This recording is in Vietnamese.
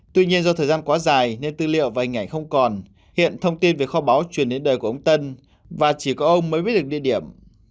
tuy nhiên do thời gian quá dài nên tư liệu và hình ảnh không còn hiện thông tin về kho báo truyền đến đời của ông tân và chỉ có ông mới biết được địa điểm